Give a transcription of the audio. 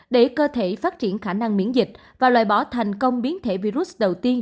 để cơ thể phát triển khả năng miễn dịch và loại bỏ thành công biến thể virus đầu tiên